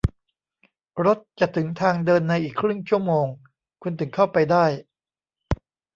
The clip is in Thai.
รถจะถึงทางเดินในอีกครึ่งชั่วโมง คุณถึงเข้าไปได้